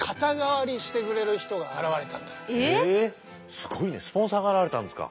すごいねスポンサーが現れたんですか。